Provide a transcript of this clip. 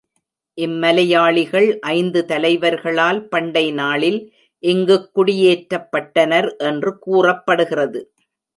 இம்மலையாளிகள் ஐந்து தலைவர்களால் பண்டை நாளில் இங்குக் குடியேற்றப்பட்டனர் என்று கூறப்படுகிறது.